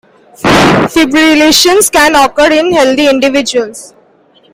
Fibrillations can occur in healthy individuals.